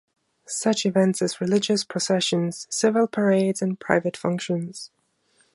Such events as religious processions, civil parades, and private functions.